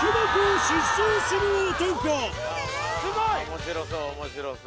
面白そう面白そう。